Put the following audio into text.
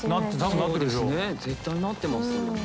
そうですね絶対なってますよね。